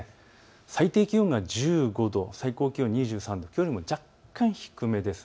最低気温が１５度、最高気温２３度、きょうよりも若干低めです。